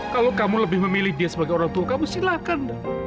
kalau kamu lebih memilih dia sebagai orang tua kamu silakan